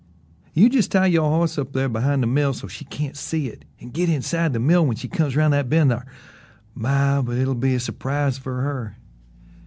You jes' tie yo' hoss up thar behind the mill so she can't see it, an' git inside the mill when she comes round that bend thar. My, but hit'll be a surprise fer her."